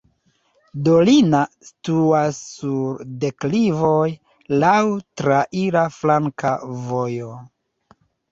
Dolina situas sur deklivoj, laŭ traira flanka vojo.